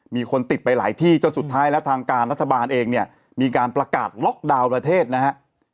มีคนติดไปหลายที่จนสุดท้ายแล้วทางการรัฐบาลเองเนี่ยมีการประกาศล็อกดาวน์ประเทศนะฮะ